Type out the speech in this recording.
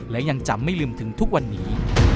และยังจำไม่ลืมถึงทุกวันนี้